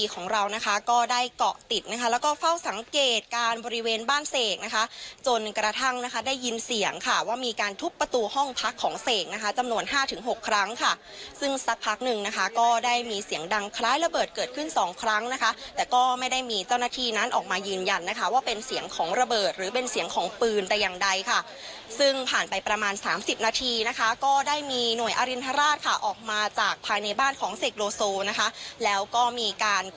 ก็ได้เกาะติดนะคะแล้วก็เฝ้าสังเกตการบริเวณบ้านเสกนะคะจนกระทั่งนะคะได้ยินเสียงค่ะว่ามีการทุบประตูห้องพักของเสกนะคะจำนวน๕๖ครั้งค่ะซึ่งสักพักหนึ่งนะคะก็ได้มีเสียงดังคล้ายระเบิดเกิดขึ้น๒ครั้งนะคะแต่ก็ไม่ได้มีเจ้าหน้าทีนั้นออกมายืนยันนะคะว่าเป็นเสียงของระเบิดหรือเป็นเสียงของปืนแต่อย่างใ